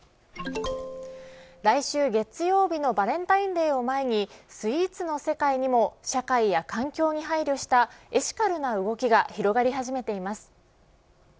来週月曜日のバレンタインデーを前にスイーツの世界にも社会や環境に配慮したエシカルな動きが広がり始めています。